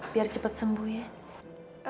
biar cepet sembuh ya